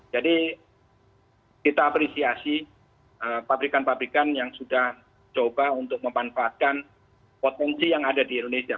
jadi kita apresiasi pabrikan pabrikan yang sudah coba untuk memanfaatkan potensi yang ada di indonesia